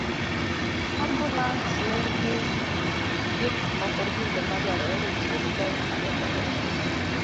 Ambulans nigi gik moko duto madwarore e chiwo kony madwarore.